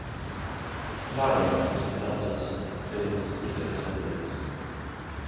Larry was the eldest of Bing's six siblings.